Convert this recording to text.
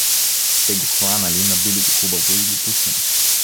Те го хванали, набили го хубаво и го пуснали.